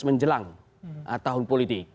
menjelang tahun politik